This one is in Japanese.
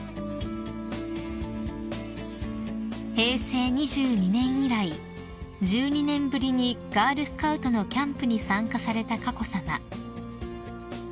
［平成２２年以来１２年ぶりにガールスカウトのキャンプに参加された佳子さま］